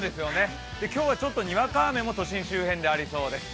今日は、にわか雨も都心周辺でありそうです。